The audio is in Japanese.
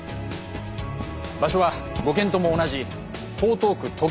場所は５件とも同じ江東区常盤